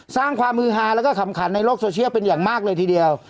สร้างความฮือฮาแล้วก็ขำขันในโลกโซเชียลเป็นอย่างมากเลยทีเดียว